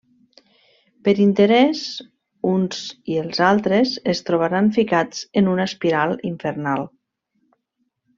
Per interès, uns i els altres es trobaran ficats en una espiral infernal.